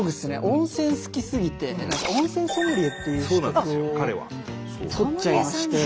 温泉好きすぎて温泉ソムリエっていう資格を取っちゃいまして。